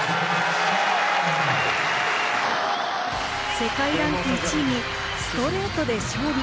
世界ランク１位にストレートで勝利！